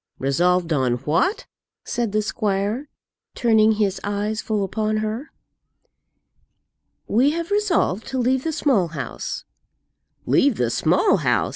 "Resolved on what?" said the squire, turning his eyes full upon her. "We have resolved to leave the Small House." "Leave the Small House!"